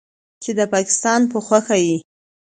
چې د پکستان په خوښه یې